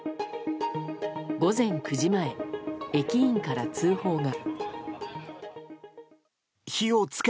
午前９時前、駅員から通報が。